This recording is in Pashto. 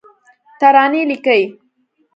ترانې لیکې